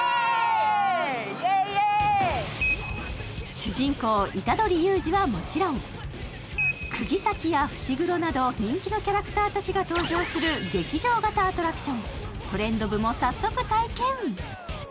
主人公虎杖悠仁はもちろん釘崎や伏黒など人気のキャラクター達が登場する劇場型アトラクショントレンド部も早速体験！